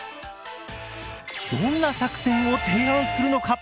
どんな作戦を提案するのか？